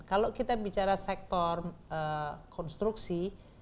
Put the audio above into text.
kalau kita bicara sektor konstruksi